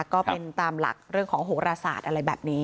ก็เป็นตามหลักเรื่องของโหรศาสตร์อะไรแบบนี้